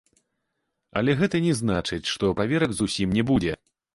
Але гэта не значыць, што праверак зусім не будзе.